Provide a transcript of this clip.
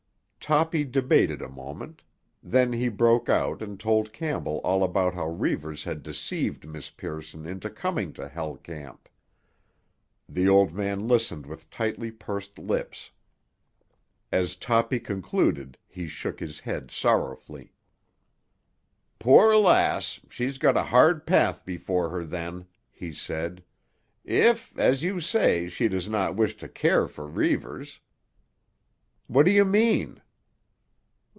Toppy debated a moment; then he broke out and told Campbell all about how Reivers had deceived Miss Pearson into coming to Hell Camp. The old man listened with tightly pursed lips. As Toppy concluded he shook his head sorrowfully. "Poor lass, she's got a hard path before her then," he said. "If, as you say, she does not wish to care for Reivers." "What do you mean?"